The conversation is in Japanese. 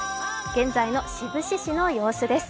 現在の志布志市の様子です。